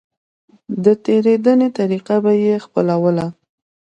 د تېرېدنې طريقه به يې خپلوله.